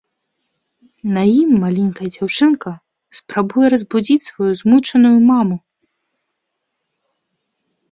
На ім маленькая дзяўчынка спрабуе разбудзіць сваю змучаную маму.